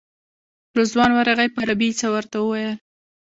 رضوان ورغی په عربي یې څه ورته وویل.